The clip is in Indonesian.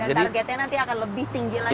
dan targetnya nanti akan lebih tinggi lagi